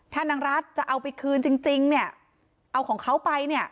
ถ้านางรัฐจะเอาไปคืนจริงเนี่ยเอาของเขาไปเนี่ย